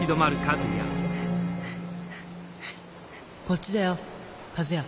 こっちだよ和也。